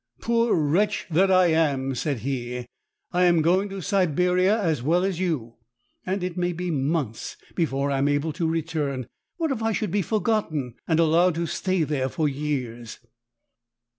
" Poor wretch that I am," said he; "I am going to Siberia as well as you, and it may be months before I am able to return. What if I should be forgotten, and allowed to stay there for years